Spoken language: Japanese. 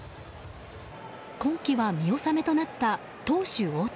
今季は見納めとなった投手・大谷。